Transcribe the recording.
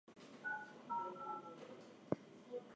It remains to date the closest vote in Butkus Award history.